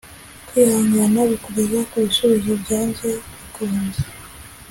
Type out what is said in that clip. kwihangana bikujyeza ku ibisubizo byanze bikunze.